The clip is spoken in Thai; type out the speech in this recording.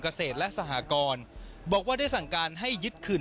ปลอบพ่อท่านต้องทำลายบระชาติแหล่งรสลองหลายพูนสม่องตลาด